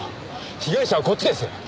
被害者はこっちです！